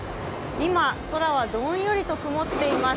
今、空はどんよりと曇っています。